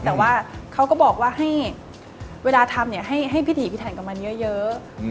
แต่ว่าเขาก็บอกว่าให้เวลาทำให้พิถีพิถันกับมันเยอะ